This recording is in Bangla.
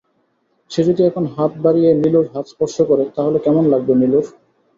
সে যদি এখন হাত বাড়িয়ে নীলুর হাত স্পর্শ করে, তাহলে কেমন লাগবে নীলুর?